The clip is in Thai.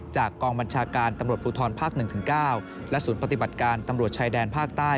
กองบัญชาการตำรวจภูทรภาค๑๙และศูนย์ปฏิบัติการตำรวจชายแดนภาคใต้